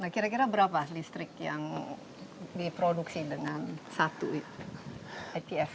kira kira berapa listrik yang diproduksi dengan satu itf